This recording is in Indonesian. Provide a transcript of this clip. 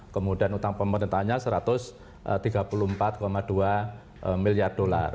kemudian utang pemerintahnya satu ratus tiga puluh empat dua miliar dolar